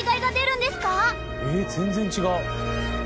全然違う」